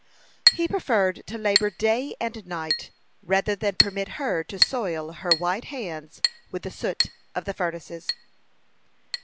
He preferred to labor day and night, rather than permit her to soil her white hands with the soot of the furnaces.